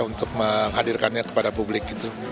untuk menghadirkannya kepada publik